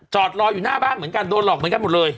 รออยู่หน้าบ้านเหมือนกันโดนหลอกเหมือนกันหมดเลย